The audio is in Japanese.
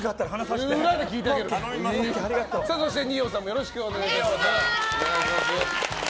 そして、二葉さんもよろしくお願いします。